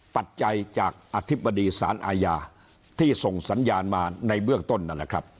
ปัจจัยจากอธิบดีสารอาญาที่ส่งสัญญาณมาในเบื้องต้นนั่นแหละครับ